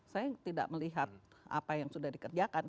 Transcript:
saya tidak melihat apa yang sudah dikerjakan